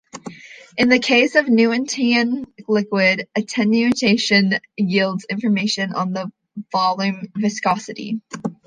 In the case of a Newtonian liquid, attenuation yields information on the volume viscosity.